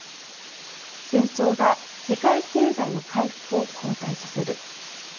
「戦争が世界経済の回復を後退させる」